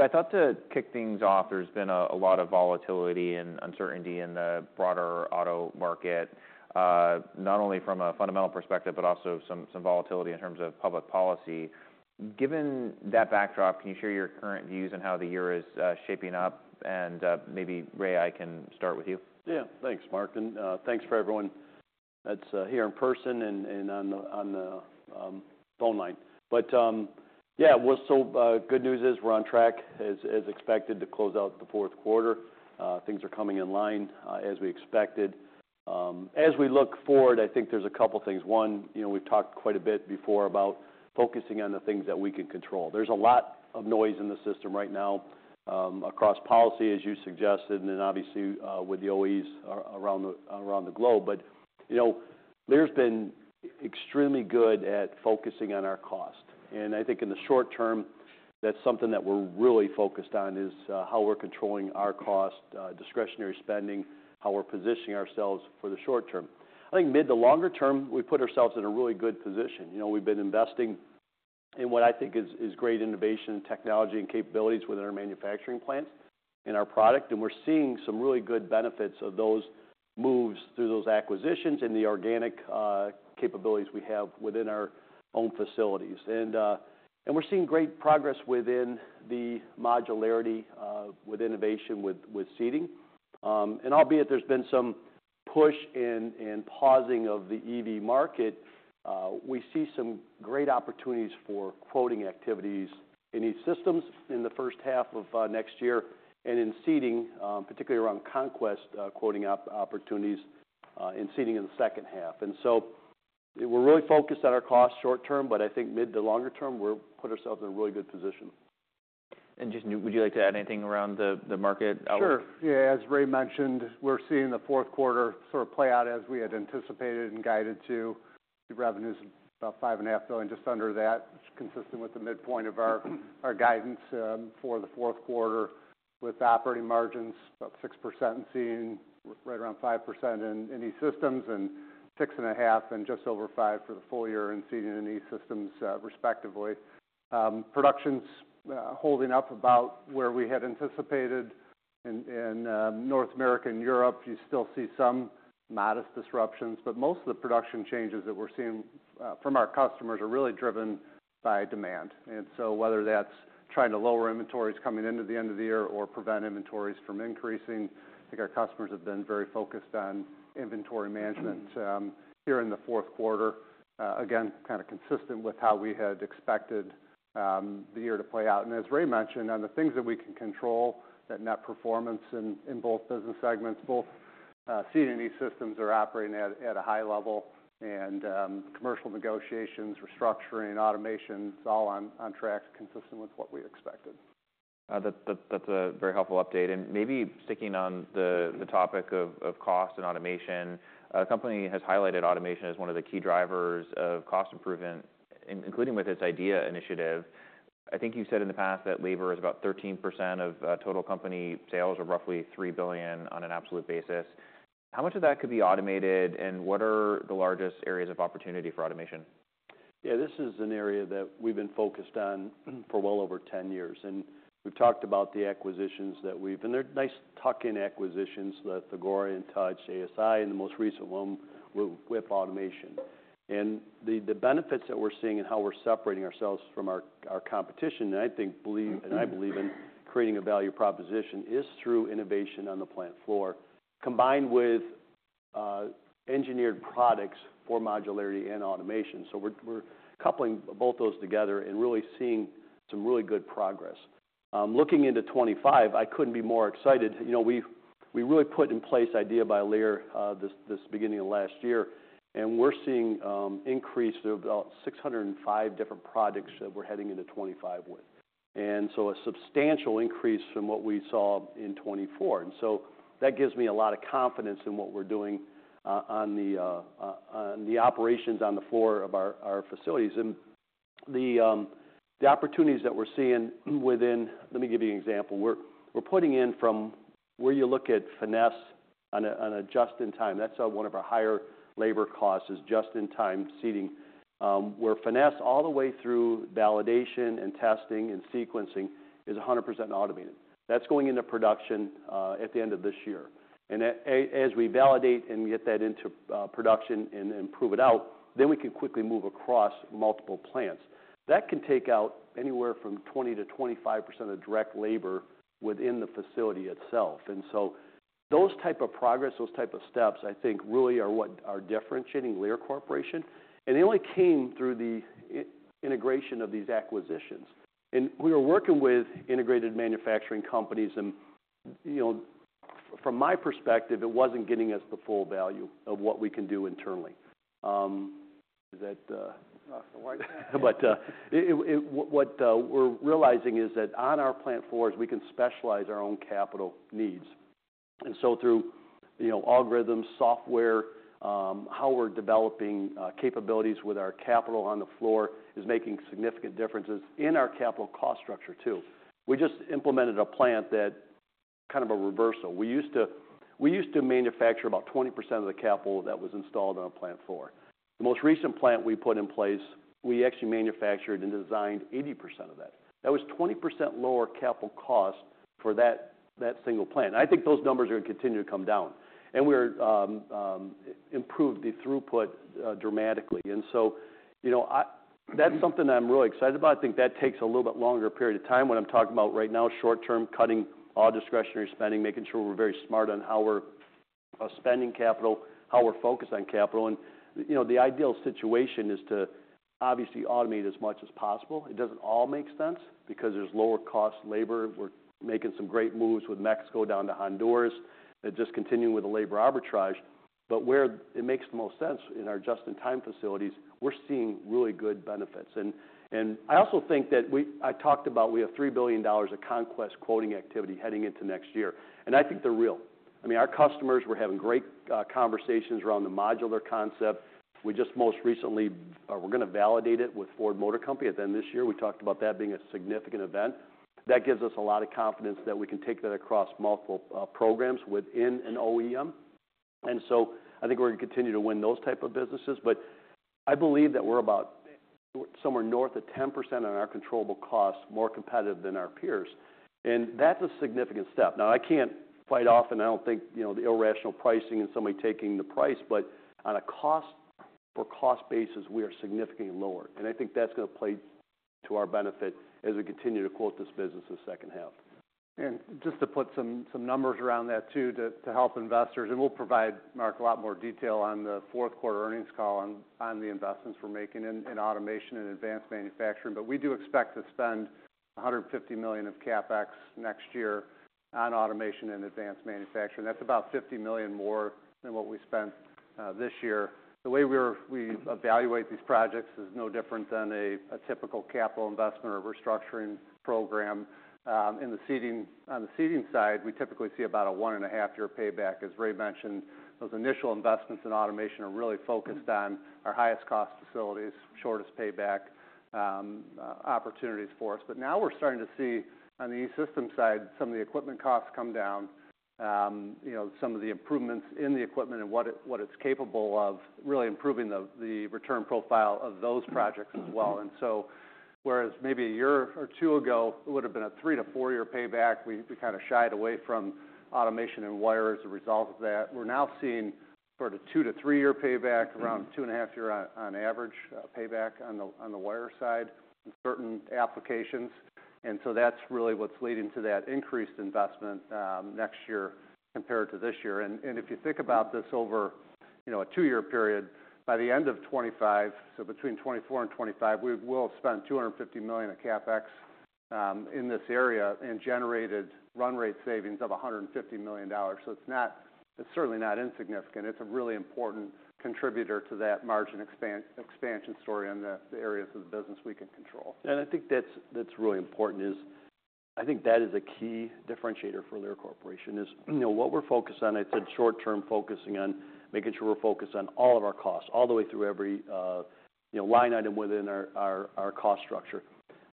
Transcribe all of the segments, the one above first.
I thought to kick things off, there's been a lot of volatility and uncertainty in the broader auto market, not only from a fundamental perspective but also some volatility in terms of public policy. Given that backdrop, can you share your current views on how the year is shaping up? And maybe, Ray, I can start with you. Yeah, thanks, Mark, and thanks for everyone that's here in person and on the phone line, but yeah, so good news is we're on track, as expected, to close out the fourth quarter. Things are coming in line as we expected. As we look forward, I think there's a couple of things. One, we've talked quite a bit before about focusing on the things that we can control. There's a lot of noise in the system right now across policy, as you suggested, and then obviously with the OEs around the globe, but there's been extremely good at focusing on our cost, and I think in the short term, that's something that we're really focused on is how we're controlling our cost, discretionary spending, how we're positioning ourselves for the short term. I think mid to longer term, we put ourselves in a really good position. We've been investing in what I think is great innovation and technology and capabilities within our manufacturing plants and our product. And we're seeing some really good benefits of those moves through those acquisitions and the organic capabilities we have within our own facilities. And we're seeing great progress within the modularity with innovation with seating. And albeit there's been some push and pausing of the EV market, we see some great opportunities for quoting activities in eSystems in the first half of next year. And in seating, particularly around conquest, quoting opportunities in seating in the second half. And so we're really focused on our cost short term, but I think mid to longer term, we've put ourselves in a really good position. Just, would you like to add anything around the market outlook? Sure. Yeah, as Ray mentioned, we're seeing the fourth quarter sort of play out as we had anticipated and guided to revenues about $5.5 billion, just under that, consistent with the midpoint of our guidance for the fourth quarter with operating margins about 6% and seeing right around 5% in eSystems and 6.5% and just over 5% for the full year in seating and eSystems, respectively. Production's holding up about where we had anticipated. In North America and Europe, you still see some modest disruptions, but most of the production changes that we're seeing from our customers are really driven by demand. So whether that's trying to lower inventories coming into the end of the year or prevent inventories from increasing, I think our customers have been very focused on inventory management here in the fourth quarter, again, kind of consistent with how we had expected the year to play out. And as Ray mentioned, on the things that we can control, that net performance in both business segments, both Seating and eSystems are operating at a high level, and commercial negotiations, restructuring, automation, it's all on track, consistent with what we expected. That's a very helpful update. And maybe sticking on the topic of cost and automation, the company has highlighted automation as one of the key drivers of cost improvement, including with its IDEA initiative. I think you've said in the past that labor is about 13% of total company sales, or roughly $3 billion on an absolute basis. How much of that could be automated, and what are the largest areas of opportunity for automation? Yeah, this is an area that we've been focused on for well over 10 years, and we've talked about the acquisitions that we've—and they're nice tuck-in acquisitions: the InTouch Automation, ASI Automation, and the most recent one, WIP Industrial Automation. And the benefits that we're seeing and how we're separating ourselves from our competition, and I believe in creating a value proposition, is through innovation on the plant floor, combined with engineered products for modularity and automation, so we're coupling both those together and really seeing some really good progress. Looking into 2025, I couldn't be more excited. We really put in place IDEA platform at the beginning of last year, and we're seeing an increase of about 60% different products that we're heading into 2025 with, and so a substantial increase from what we saw in 2024. And so that gives me a lot of confidence in what we're doing on the operations on the floor of our facilities. And the opportunities that we're seeing within. Let me give you an example. We're putting in from where you look at finishing on a just-in-time. That's one of our higher labor costs, is just-in-time seating, where finishing all the way through validation and testing and sequencing is 100% automated. That's going into production at the end of this year. And as we validate and get that into production and prove it out, then we can quickly move across multiple plants. That can take out anywhere from 20%-25% of direct labor within the facility itself. And so those types of progress, those types of steps, I think, really are what are differentiating Lear Corporation. And it only came through the integration of these acquisitions. And we were working with integrated manufacturing companies, and from my perspective, it wasn't getting us the full value of what we can do internally. But what we're realizing is that on our plant floors, we can specialize our own capital needs. And so through algorithms, software, how we're developing capabilities with our capital on the floor is making significant differences in our capital cost structure, too. We just implemented a plant that's kind of a reversal. We used to manufacture about 20% of the capital that was installed on a plant floor. The most recent plant we put in place, we actually manufactured and designed 80% of that. That was 20% lower capital cost for that single plant. And I think those numbers are going to continue to come down. And we improved the throughput dramatically. And so that's something I'm really excited about. I think that takes a little bit longer period of time. What I'm talking about right now, short-term cutting all discretionary spending, making sure we're very smart on how we're spending capital, how we're focused on capital. And the ideal situation is to obviously automate as much as possible. It doesn't all make sense because there's lower cost labor. We're making some great moves with Mexico down to Honduras, just continuing with the labor arbitrage. But where it makes the most sense in our just-in-time facilities, we're seeing really good benefits. And I also think that I talked about we have $3 billion of conquest quoting activity heading into next year. And I think they're real. I mean, our customers, we're having great conversations around the modular concept. We just most recently, we're going to validate it with Ford Motor Company at the end of this year. We talked about that being a significant event. That gives us a lot of confidence that we can take that across multiple programs within an OEM. And so I think we're going to continue to win those types of businesses. But I believe that we're about somewhere north of 10% on our controllable cost, more competitive than our peers. And that's a significant step. Now, I can't fight off, and I don't think the irrational pricing and somebody taking the price, but on a cost-for-cost basis, we are significantly lower. And I think that's going to play to our benefit as we continue to quote this business in the second half. Just to put some numbers around that, too, to help investors, and we'll provide Mark a lot more detail on the fourth quarter earnings call on the investments we're making in automation and advanced manufacturing. We do expect to spend $150 million of CapEx next year on automation and advanced manufacturing. That's about $50 million more than what we spent this year. The way we evaluate these projects is no different than a typical capital investment or restructuring program. On the seating side, we typically see about a one and a half year payback. As Ray mentioned, those initial investments in automation are really focused on our highest cost facilities, shortest payback opportunities for us. But now we're starting to see on the eSystems side, some of the equipment costs come down, some of the improvements in the equipment and what it's capable of, really improving the return profile of those projects as well. And so whereas maybe a year or two ago, it would have been a three- to four-year payback, we kind of shied away from automation and wire as a result of that. We're now seeing sort of two- to three-year payback, around two-and-a-half-year on average payback on the wire side in certain applications. And so that's really what's leading to that increased investment next year compared to this year. And if you think about this over a two-year period, by the end of 2025, so between 2024 and 2025, we will have spent 250 million of CapEx in this area and generated run rate savings of $150 million. So it's certainly not insignificant. It's a really important contributor to that margin expansion story in the areas of the business we can control. And I think that's really important, is I think that is a key differentiator for Lear Corporation, is what we're focused on. I said short-term focusing on making sure we're focused on all of our costs all the way through every line item within our cost structure,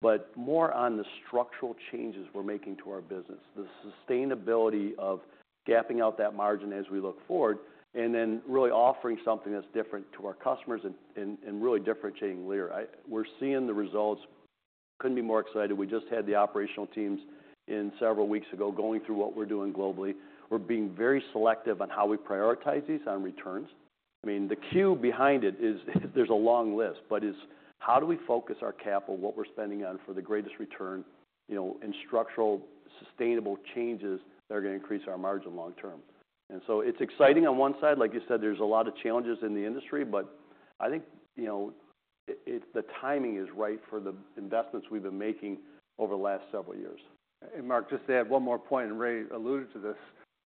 but more on the structural changes we're making to our business, the sustainability of gapping out that margin as we look forward, and then really offering something that's different to our customers and really differentiating Lear. We're seeing the results. Couldn't be more excited. We just had the operational teams in several weeks ago going through what we're doing globally. We're being very selective on how we prioritize these on returns. I mean, the key behind it is there's a long list, but it's how do we focus our capital, what we're spending on for the greatest return in structural sustainable changes that are going to increase our margin long term, and so it's exciting on one side. Like you said, there's a lot of challenges in the industry, but I think the timing is right for the investments we've been making over the last several years. And Mark, just to add one more point, and Ray alluded to this,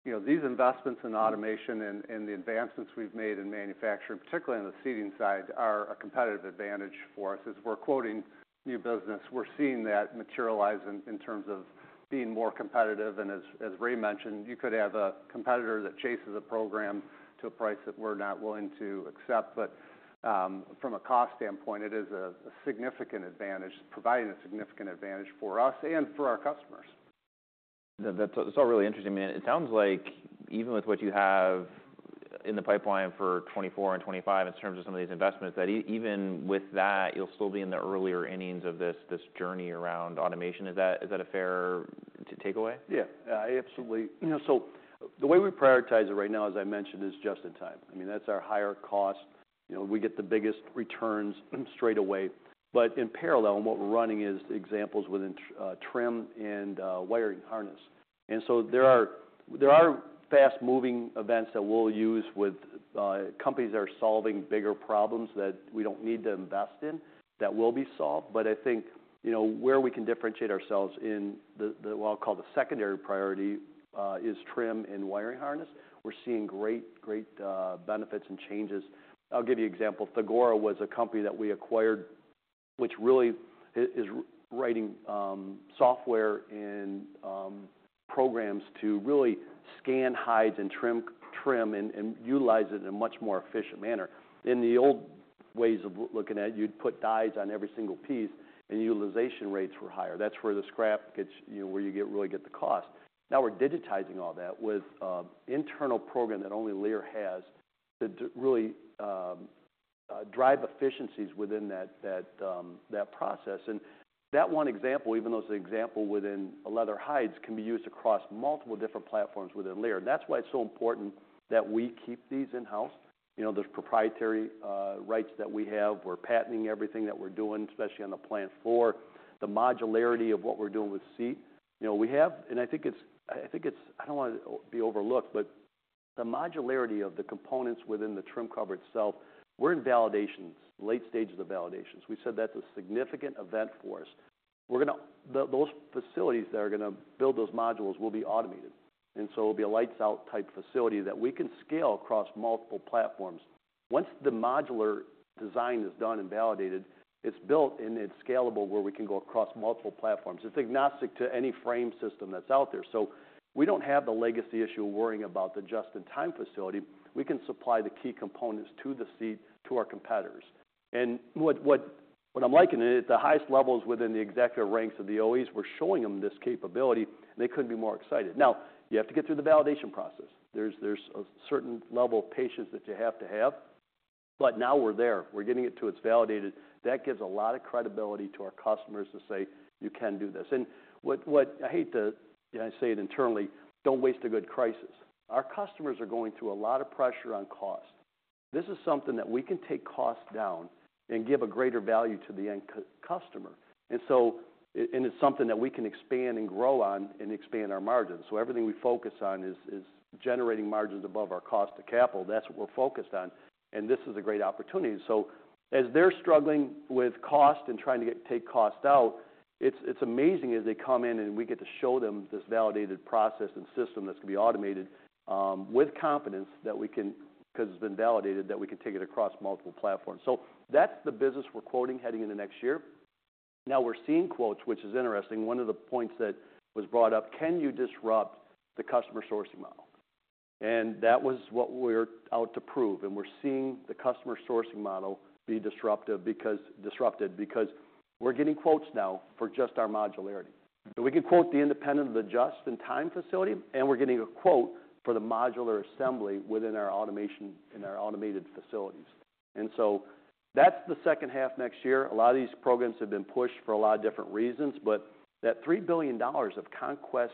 these investments in automation and the advancements we've made in manufacturing, particularly on the seating side, are a competitive advantage for us as we're quoting new business. We're seeing that materialize in terms of being more competitive. And as Ray mentioned, you could have a competitor that chases a program to a price that we're not willing to accept. But from a cost standpoint, it is a significant advantage, providing a significant advantage for us and for our customers. That's all really interesting. I mean, it sounds like even with what you have in the pipeline for 2024 and 2025 in terms of some of these investments, that even with that, you'll still be in the earlier innings of this journey around automation. Is that a fair takeaway? Yeah. Absolutely. So the way we prioritize it right now, as I mentioned, is just-in-time. I mean, that's our higher cost. We get the biggest returns straight away. But in parallel, what we're running is examples within trim and wiring harness. And so there are fast-moving events that we'll use with companies that are solving bigger problems that we don't need to invest in that will be solved. But I think where we can differentiate ourselves in what I'll call the secondary priority is trim and wiring harness. We're seeing great, great benefits and changes. I'll give you an example. Thagora was a company that we acquired, which really is writing software and programs to really scan hides and trim and utilize it in a much more efficient manner. In the old ways of looking at it, you'd put dies on every single piece, and utilization rates were higher. That's where the scrap gets where you really get the cost. Now we're digitizing all that with an internal program that only Lear has to really drive efficiencies within that process. That one example, even though it's an example within leather hides, can be used across multiple different platforms within Lear. That's why it's so important that we keep these in-house. There's proprietary rights that we have. We're patenting everything that we're doing, especially on the plant floor. The modularity of what we're doing with seat, we have. I think it's, I don't want to be overlooked, but the modularity of the components within the trim cover itself, we're in validations, late stages of validations. We said that's a significant event for us. Those facilities that are going to build those modules will be automated. And so it'll be a lights-out type facility that we can scale across multiple platforms. Once the modular design is done and validated, it's built and it's scalable where we can go across multiple platforms. It's agnostic to any frame system that's out there. So we don't have the legacy issue of worrying about the just-in-time facility. We can supply the key components to the seat to our competitors. And what I'm liking is at the highest levels within the executive ranks of the OEs, we're showing them this capability, and they couldn't be more excited. Now, you have to get through the validation process. There's a certain level of patience that you have to have. But now we're there. We're getting it to its validated. That gives a lot of credibility to our customers to say, "You can do this." And I hate to say it internally, "Don't waste a good crisis." Our customers are going through a lot of pressure on cost. This is something that we can take cost down and give a greater value to the end customer. And it's something that we can expand and grow on and expand our margins. So everything we focus on is generating margins above our cost of capital. That's what we're focused on. And this is a great opportunity. So as they're struggling with cost and trying to take cost out, it's amazing as they come in and we get to show them this validated process and system that's going to be automated with confidence that we can, because it's been validated, that we can take it across multiple platforms. So that's the business we're quoting heading into next year. Now, we're seeing quotes, which is interesting. One of the points that was brought up, "Can you disrupt the customer sourcing model?" And that was what we're out to prove. And we're seeing the customer sourcing model be disrupted because we're getting quotes now for just our modularity. We can quote the independent of the just-in-time facility, and we're getting a quote for the modular assembly within our automated facilities. And so that's the second half next year. A lot of these programs have been pushed for a lot of different reasons. But that $3 billion of conquest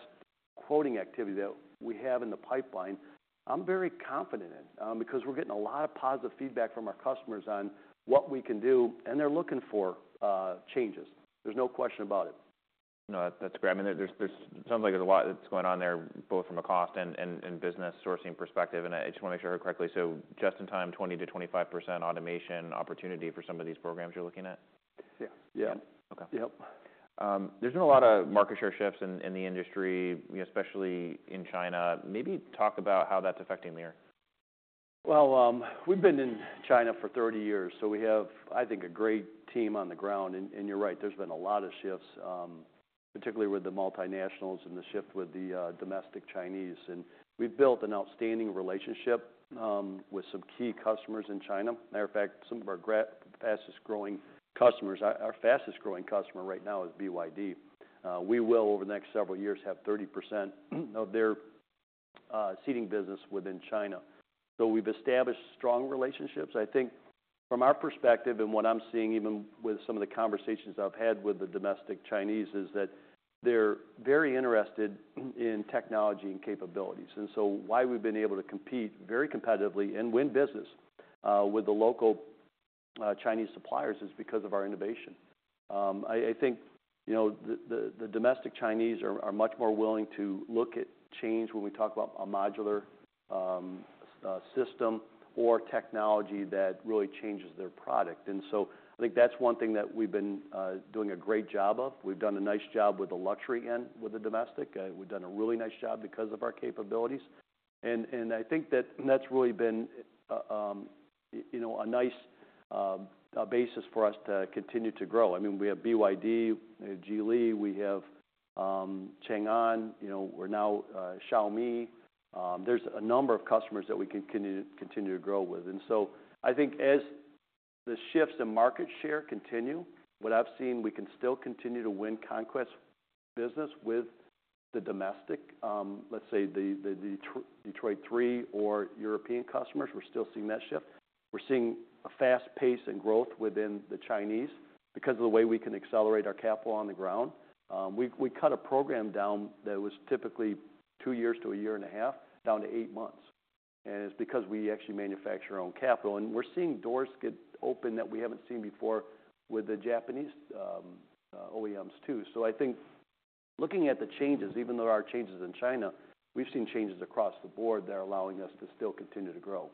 quoting activity that we have in the pipeline, I'm very confident in because we're getting a lot of positive feedback from our customers on what we can do, and they're looking for changes. There's no question about it. No, that's great. I mean, it sounds like there's a lot that's going on there, both from a cost and business sourcing perspective. And I just want to make sure I heard correctly. So just-in-time, 20%-25% automation opportunity for some of these programs you're looking at? Yeah. Yeah. Yep. There's been a lot of market share shifts in the industry, especially in China. Maybe talk about how that's affecting Lear. We've been in China for 30 years. We have, I think, a great team on the ground. You're right. There's been a lot of shifts, particularly with the multinationals and the shift with the domestic Chinese. We've built an outstanding relationship with some key customers in China. Matter of fact, some of our fastest growing customers, our fastest growing customer right now is BYD. We will, over the next several years, have 30% of their seating business within China. We've established strong relationships. I think from our perspective and what I'm seeing, even with some of the conversations I've had with the domestic Chinese, is that they're very interested in technology and capabilities. Why we've been able to compete very competitively and win business with the local Chinese suppliers is because of our innovation. I think the domestic Chinese are much more willing to look at change when we talk about a modular system or technology that really changes their product. And so I think that's one thing that we've been doing a great job of. We've done a nice job with the luxury end with the domestic. We've done a really nice job because of our capabilities. And I think that that's really been a nice basis for us to continue to grow. I mean, we have BYD, Geely. We have Changan. We're now Xiaomi. There's a number of customers that we can continue to grow with. And so I think as the shifts in market share continue, what I've seen, we can still continue to win conquest business with the domestic, let's say the Detroit Three or European customers. We're still seeing that shift. We're seeing a fast pace and growth within the Chinese because of the way we can accelerate our capital on the ground. We cut a program down that was typically two years to a year and a half down to eight months. And it's because we actually manufacture our own capital. And we're seeing doors get open that we haven't seen before with the Japanese OEMs, too. So I think looking at the changes, even though there are changes in China, we've seen changes across the board that are allowing us to still continue to grow.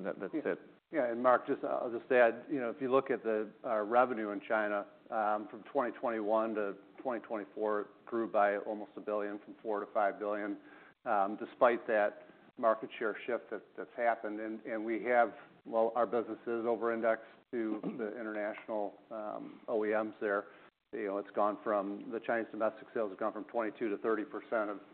That's it. Yeah. And Mark, just I'll just add, if you look at our revenue in China, from 2021 to 2024, it grew by almost $1 billion from $4 billion to $5 billion, despite that market share shift that's happened. And we have, well, our business is over-indexed to the international OEMs there. The Chinese domestic sales have gone from 22%-30%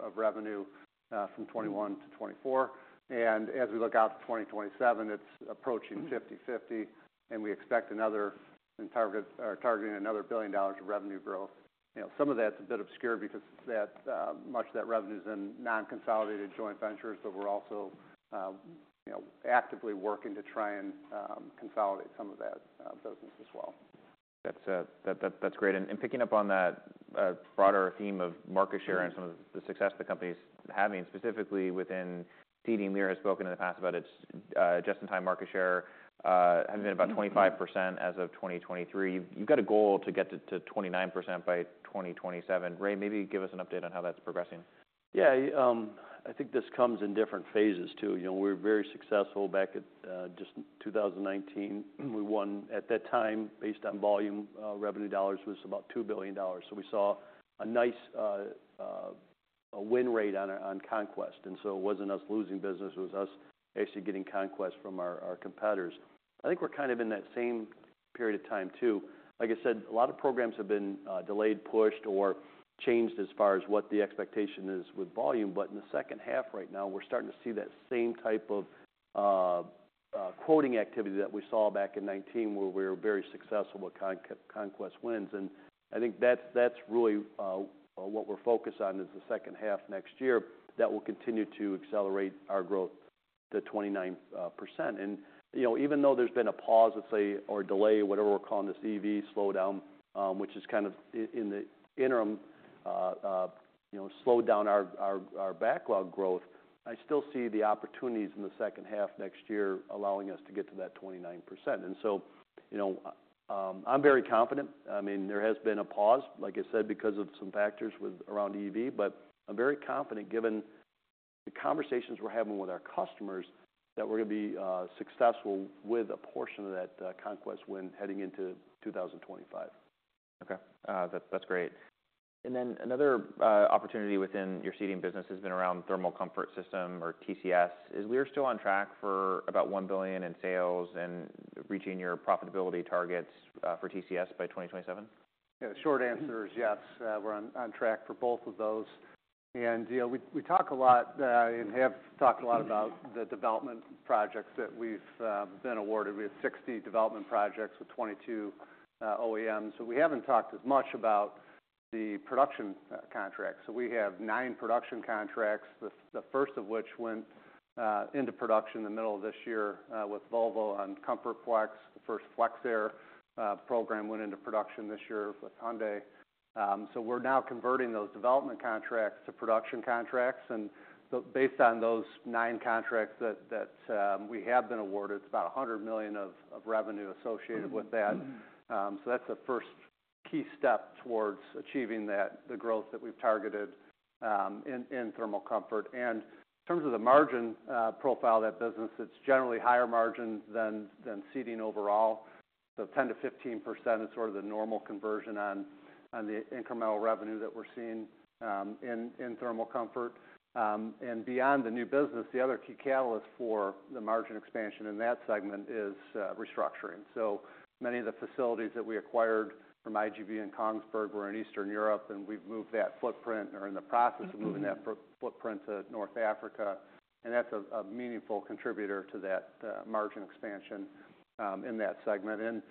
of revenue from 2021-2024. And as we look out to 2027, it's approaching 50/50, and we expect targeting another $1 billion of revenue growth. Some of that's a bit obscured because much of that revenue is in non-consolidated joint ventures, but we're also actively working to try and consolidate some of that business as well. That's great. And picking up on that broader theme of market share and some of the success the company's having, specifically within seating, Lear has spoken in the past about its just-in-time market share having been about 25% as of 2023. You've got a goal to get to 29% by 2027. Ray, maybe give us an update on how that's progressing. Yeah. I think this comes in different phases, too. We were very successful back in 2019. We won at that time based on volume. Revenue dollars was about $2 billion. So we saw a nice win rate on conquest. And so it wasn't us losing business. It was us actually getting conquest from our competitors. I think we're kind of in that same period of time, too. Like I said, a lot of programs have been delayed, pushed, or changed as far as what the expectation is with volume. But in the second half right now, we're starting to see that same type of quoting activity that we saw back in 2019 where we were very successful with conquest wins. And I think that's really what we're focused on is the second half next year that will continue to accelerate our growth to 29%. And even though there's been a pause, let's say, or delay, whatever we're calling this EV slowdown, which is kind of in the interim, slowed down our backlog growth, I still see the opportunities in the second half next year allowing us to get to that 29%. And so I'm very confident. I mean, there has been a pause, like I said, because of some factors around EV, but I'm very confident given the conversations we're having with our customers that we're going to be successful with a portion of that conquest win heading into 2025. Okay. That's great. And then another opportunity within your seating business has been around thermal comfort system or TCS. Is Lear still on track for about $1 billion in sales and reaching your profitability targets for TCS by 2027? Yeah. The short answer is yes. We're on track for both of those. We talk a lot and have talked a lot about the development projects that we've been awarded. We have 60 development projects with 22 OEMs. We haven't talked as much about the production contracts. We have nine production contracts, the first of which went into production in the middle of this year with Volvo on ComfortFlex. The first FlexAir program went into production this year with Hyundai. We're now converting those development contracts to production contracts. Based on those nine contracts that we have been awarded, it's about $100 million of revenue associated with that. That's the first key step towards achieving the growth that we've targeted in thermal comfort. In terms of the margin profile of that business, it's generally higher margin than seating overall. 10%-15% is sort of the normal conversion on the incremental revenue that we're seeing in thermal comfort. Beyond the new business, the other key catalyst for the margin expansion in that segment is restructuring. Many of the facilities that we acquired from IGB and Kongsberg were in Eastern Europe, and we've moved that footprint or in the process of moving that footprint to North Africa. That's a meaningful contributor to that margin expansion in that segment.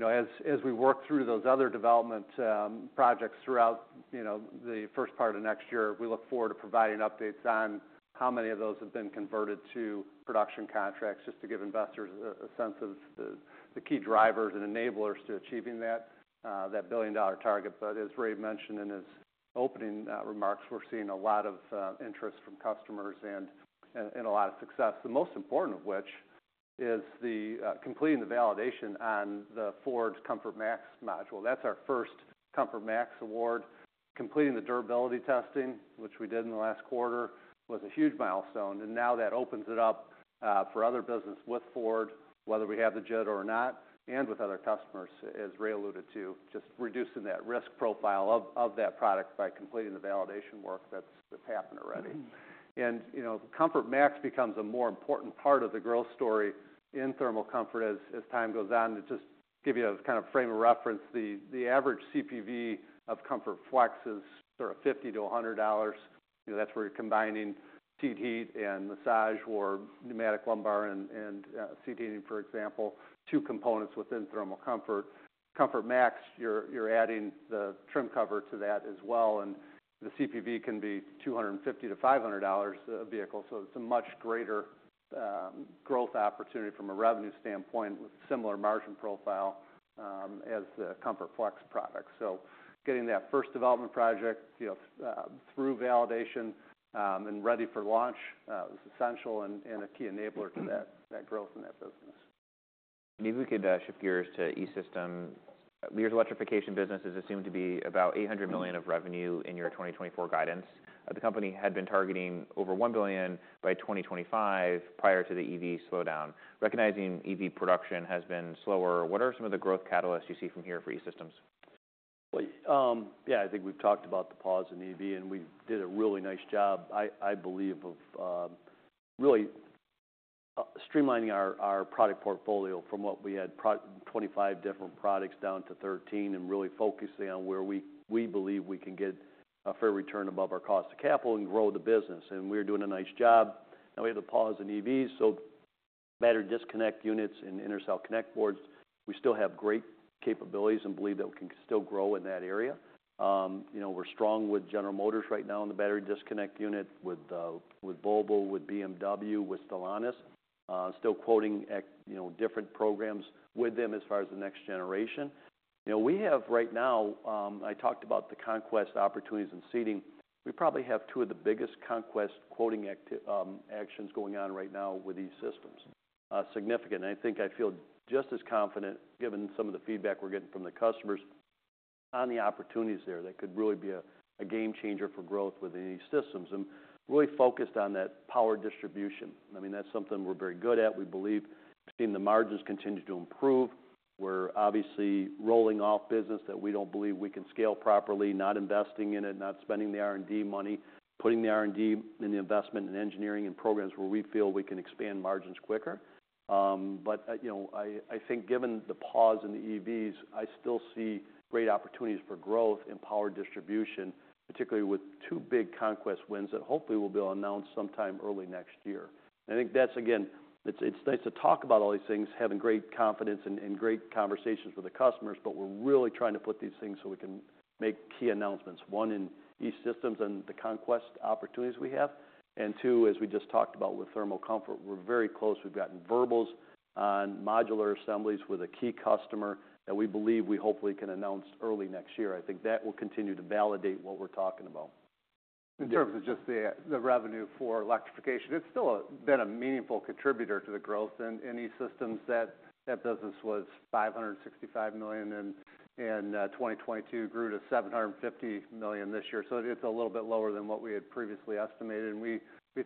As we work through those other development projects throughout the first part of next year, we look forward to providing updates on how many of those have been converted to production contracts just to give investors a sense of the key drivers and enablers to achieving that billion-dollar target. But as Ray mentioned in his opening remarks, we're seeing a lot of interest from customers and a lot of success, the most important of which is completing the validation on the Ford ComfortMax module. That's our first ComfortMax award. Completing the durability testing, which we did in the last quarter, was a huge milestone. And now that opens it up for other business with Ford, whether we have the JIT or not, and with other customers, as Ray alluded to, just reducing that risk profile of that product by completing the validation work that's happened already. And ComfortMax becomes a more important part of the growth story in thermal comfort as time goes on. To just give you a kind of frame of reference, the average CPV of ComfortFlex is sort of $50-$100. That's where you're combining seat heat and massage or pneumatic lumbar and seat heating, for example, two components within thermal comfort. ComfortMax, you're adding the trim cover to that as well, and the CPV can be $250-$500 a vehicle, so it's a much greater growth opportunity from a revenue standpoint with a similar margin profile as the ComfortFlex product, so getting that first development project through validation and ready for launch is essential and a key enabler to that growth in that business. Maybe we could shift gears to eSystems. Lear's electrification business is assumed to be about $800 million of revenue in your 2024 guidance. The company had been targeting over $1 billion by 2025 prior to the EV slowdown. Recognizing EV production has been slower, what are some of the growth catalysts you see from here for eSystems? Yeah. I think we've talked about the pause in EV, and we did a really nice job, I believe, of really streamlining our product portfolio from what we had 25 different products down to 13 and really focusing on where we believe we can get a fair return above our cost of capital and grow the business, and we're doing a nice job. Now, we have the pause in EVs, so battery disconnect units and intercell connect boards, we still have great capabilities and believe that we can still grow in that area. We're strong with General Motors right now in the battery disconnect unit with Volvo, with BMW, with Stellantis. Still quoting different programs with them as far as the next generation. We have right now, I talked about the conquest opportunities in seating. We probably have two of the biggest conquest quoting actions going on right now with eSystems. Significant, and I think I feel just as confident, given some of the feedback we're getting from the customers, on the opportunities there that could really be a game changer for growth within eSystems and really focused on that power distribution. I mean, that's something we're very good at. We believe seeing the margins continue to improve. We're obviously rolling off business that we don't believe we can scale properly, not investing in it, not spending the R&D money, putting the R&D and the investment in engineering and programs where we feel we can expand margins quicker, but I think given the pause in the EVs, I still see great opportunities for growth and power distribution, particularly with two big conquest wins that hopefully will be announced sometime early next year. I think that's, again, it's nice to talk about all these things, having great confidence and great conversations with the customers, but we're really trying to put these things so we can make key announcements, one in eSystems and the conquest opportunities we have, and two, as we just talked about with thermal comfort, we're very close. We've gotten verbals on modular assemblies with a key customer that we believe we hopefully can announce early next year. I think that will continue to validate what we're talking about. In terms of just the revenue for electrification, it's still been a meaningful contributor to the growth in eSystems. That business was $565 million in 2022, grew to $750 million this year. So it's a little bit lower than what we had previously estimated. And we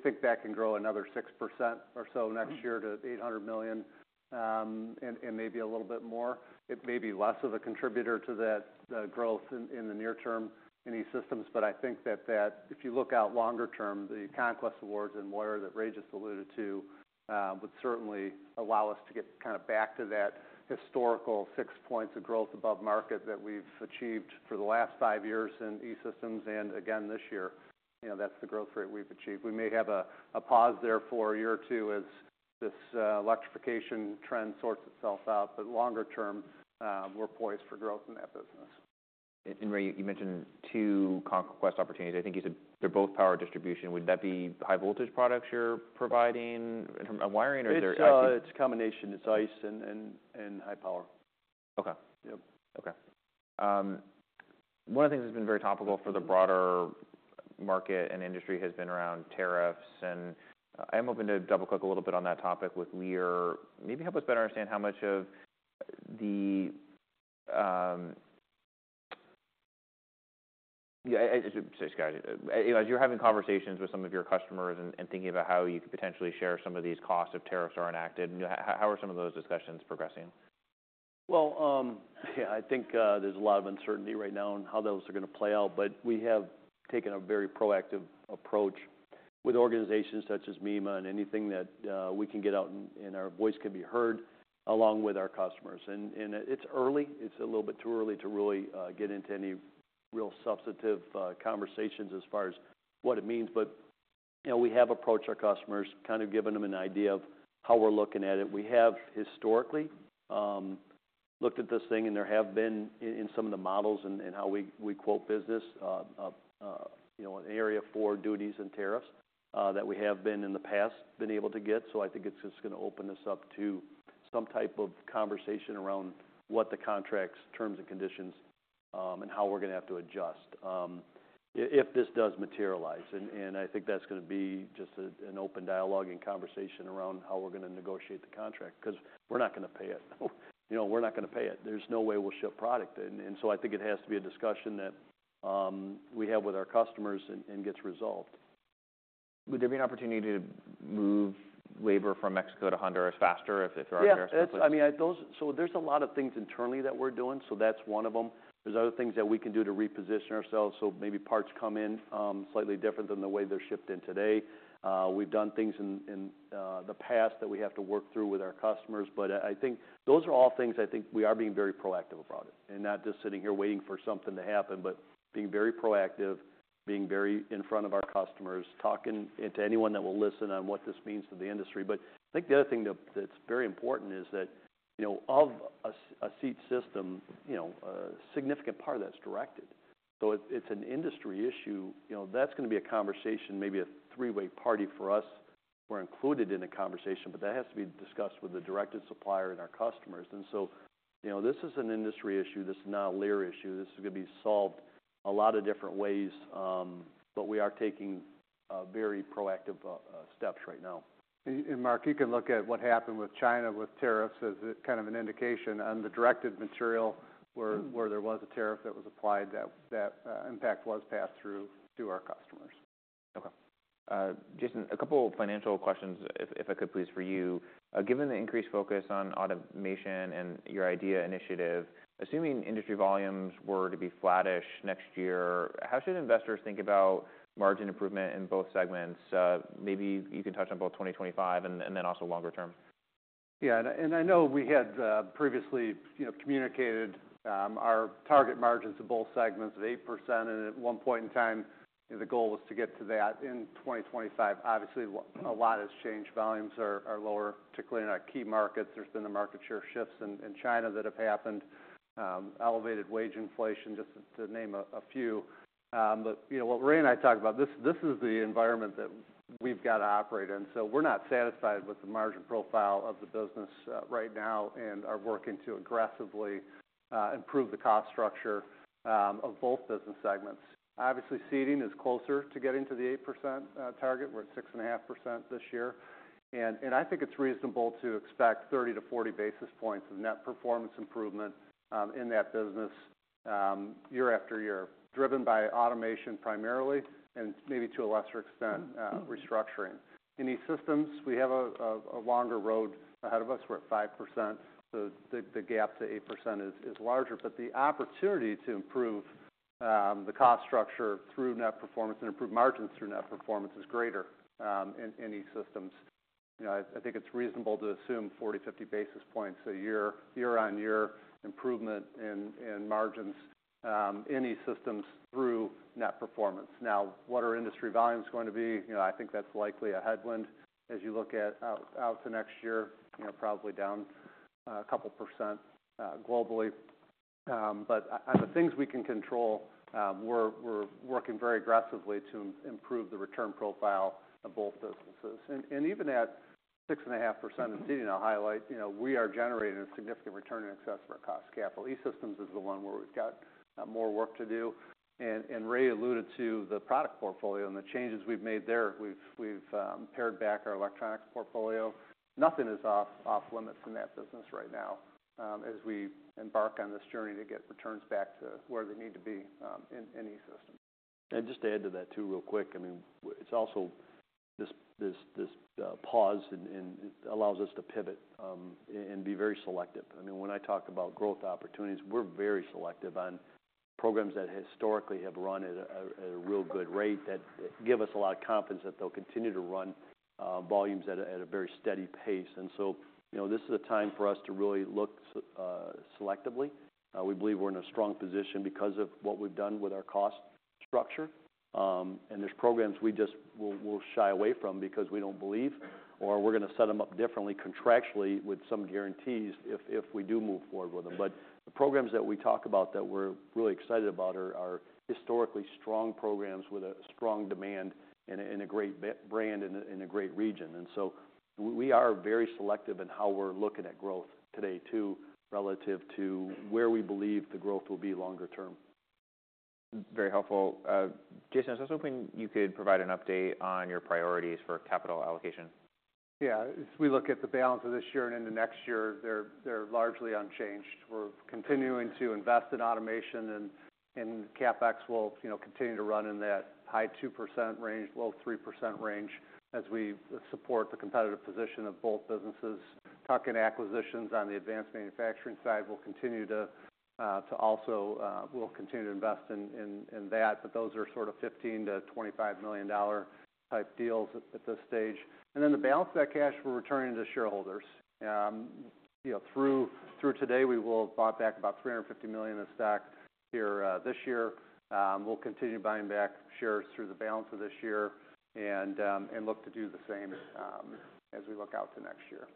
think that can grow another 6% or so next year to $800 million and maybe a little bit more. It may be less of a contributor to that growth in the near term in eSystems, but I think that if you look out longer term, the conquest Awards and more that Ray just alluded to would certainly allow us to get kind of back to that historical 6 points of growth above market that we've achieved for the last five years in eSystems and again this year. That's the growth rate we've achieved. We may have a pause there for a year or two as this electrification trend sorts itself out, but longer term, we're poised for growth in that business. Ray, you mentioned two conquest opportunities. I think you said they're both power distribution. Would that be high-voltage products you're providing in terms of wiring, or is there? It's a combination. It's ICE and high power. Okay. One of the things that's been very topical for the broader market and industry has been around tariffs. And I'm hoping to double-click a little bit on that topic with Lear. Maybe help us better understand how much of the, yeah, sorry, Scott, as you're having conversations with some of your customers and thinking about how you could potentially share some of these costs if tariffs are enacted, how are some of those discussions progressing? Well, yeah, I think there's a lot of uncertainty right now on how those are going to play out, but we have taken a very proactive approach with organizations such as MEMA and anything that we can get out and our voice can be heard along with our customers. And it's early. It's a little bit too early to really get into any real substantive conversations as far as what it means. But we have approached our customers, kind of given them an idea of how we're looking at it. We have historically looked at this thing, and there have been in some of the models and how we quote business, an area for duties and tariffs that we have in the past been able to get. So I think it's just going to open us up to some type of conversation around what the contract's terms and conditions and how we're going to have to adjust if this does materialize. And I think that's going to be just an open dialogue and conversation around how we're going to negotiate the contract because we're not going to pay it. We're not going to pay it. There's no way we'll ship product. And so I think it has to be a discussion that we have with our customers and gets resolved. Would there be an opportunity to move labor from Mexico to Honduras faster if you're already there? Yeah. I mean, so there's a lot of things internally that we're doing. So that's one of them. There's other things that we can do to reposition ourselves. So maybe parts come in slightly different than the way they're shipped in today. We've done things in the past that we have to work through with our customers. But I think those are all things I think we are being very proactive about it and not just sitting here waiting for something to happen, but being very proactive, being very in front of our customers, talking to anyone that will listen on what this means to the industry. But I think the other thing that's very important is that of a seat system, a significant part of that's directed. So it's an industry issue. That's going to be a conversation, maybe a three-way party for us. We're included in the conversation, but that has to be discussed with the directed supplier and our customers. And so this is an industry issue. This is not a Lear issue. This is going to be solved a lot of different ways, but we are taking very proactive steps right now. And Mark, you can look at what happened with China with tariffs as kind of an indication on the directed material where there was a tariff that was applied, that impact was passed through to our customers. Okay. Jason, a couple of financial questions, if I could, please, for you. Given the increased focus on automation and your IDEA initiative, assuming industry volumes were to be flattish next year, how should investors think about margin improvement in both segments? Maybe you can touch on both 2025 and then also longer term. Yeah. And I know we had previously communicated our target margins to both segments of 8%. And at one point in time, the goal was to get to that in 2025. Obviously, a lot has changed. Volumes are lower, particularly in our key markets. There's been the market share shifts in China that have happened, elevated wage inflation, just to name a few. But what Ray and I talked about, this is the environment that we've got to operate in. So we're not satisfied with the margin profile of the business right now and are working to aggressively improve the cost structure of both business segments. Obviously, seating is closer to getting to the 8% target. We're at 6.5% this year. And I think it's reasonable to expect 30-40 basis points of net performance improvement in that business year after year, driven by automation primarily and maybe to a lesser extent restructuring. In eSystems, we have a longer road ahead of us. We're at 5%. So the gap to 8% is larger. But the opportunity to improve the cost structure through net performance and improve margins through net performance is greater in eSystems. I think it's reasonable to assume 40-50 basis points a year-on-year improvement in margins in eSystems through net performance. Now, what are industry volumes going to be? I think that's likely a headwind as you look out to next year, probably down 2% globally. But on the things we can control, we're working very aggressively to improve the return profile of both businesses. And even at 6.5%, and as I'll highlight, we are generating a significant return in excess of our cost of capital. eSystems is the one where we've got more work to do. And Ray alluded to the product portfolio and the changes we've made there. We've pared back our electronics portfolio. Nothing is off limits in that business right now as we embark on this journey to get returns back to where they need to be in eSystems. And just to add to that too, real quick, I mean, it's also this pause allows us to pivot and be very selective. I mean, when I talk about growth opportunities, we're very selective on programs that historically have run at a real good rate that give us a lot of confidence that they'll continue to run volumes at a very steady pace. And so this is a time for us to really look selectively. We believe we're in a strong position because of what we've done with our cost structure. And there's programs we just will shy away from because we don't believe or we're going to set them up differently contractually with some guarantees if we do move forward with them. But the programs that we talk about that we're really excited about are historically strong programs with a strong demand and a great brand and a great region. And so we are very selective in how we're looking at growth today too relative to where we believe the growth will be longer term. Very helpful. Jason, I was hoping you could provide an update on your priorities for capital allocation? Yeah. As we look at the balance of this year and into next year, they're largely unchanged. We're continuing to invest in automation, and CapEx will continue to run in that high 2% range, low 3% range as we support the competitive position of both businesses. Tuck in acquisitions on the advanced manufacturing side. We'll continue to also invest in that, but those are sort of $15-$25 million type deals at this stage. And then the balance of that cash, we're returning to shareholders. Through today, we will have bought back about $350 million in stock here this year. We'll continue buying back shares through the balance of this year and look to do the same as we look out to next year.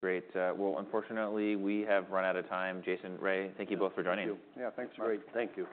Great. Well, unfortunately, we have run out of time. Jason, Ray, thank you both for joining. Thank you. Yeah, thanks, Ray. Thank you.